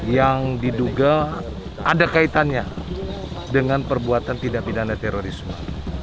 yang diduga ada kaitannya dengan perbuatan tidak pidana terorisme